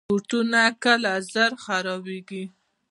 بوټونه کله زر خرابیږي.